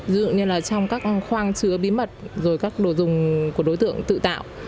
dựa như là trong các khoang chứa bí mật rồi các đồ dùng của đối tượng tự tạo